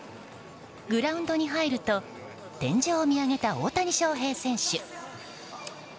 グラウンドに入ると天井を見上げた大谷翔平選手。